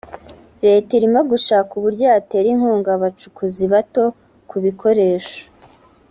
leta irimo gushaka uburyo yatera inkunga abacukuzi bato ku bikoresho